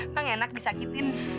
mak enak disakitin